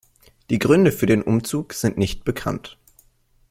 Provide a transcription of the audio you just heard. Die Gründe für den Umzug sind nicht bekannt.